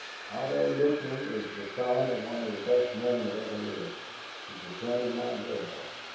"Otto Littman is the son of one of the best men that ever lived. He's a friend of my girl.